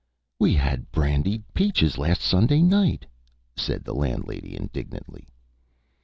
"We had brandied peaches last Sunday night," said the landlady, indignantly.